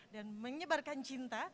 dan menyebarkan cinta